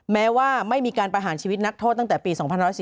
แม้ว่าไม่มีการประหารชีวิตนักโทษตั้งแต่ปี๒๔